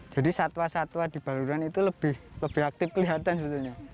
jadi satwa satwa di baluran itu lebih aktif kelihatan sebetulnya